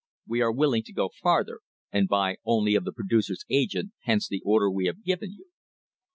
We are willing to go farther and buy only of the producers' agent, hence the order we have given you.